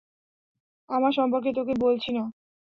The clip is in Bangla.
আমার সম্পর্কে তোকে বলেছি না?